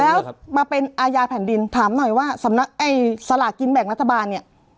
แล้วมาเป็นอาญาแผ่นดินถามหน่อยว่าสำนักไอ้สลากินแบ่งรัฐบาลเนี่ย